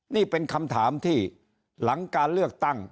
นี่เป็นคำถามที่หลังการเลือกตั้ง